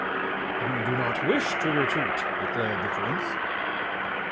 "We do not wish to retreat," declared the prince.